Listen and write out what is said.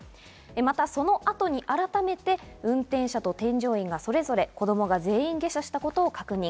またそのあとにあらためて運転者と添乗員がそれぞれ子供が全員下車したことを確認。